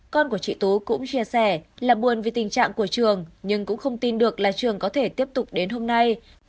con của chị tú cũng chia sẻ là buồn vì tình trạng của trường nhưng cũng không tin được là trường có thể tiếp tục đến hôm nay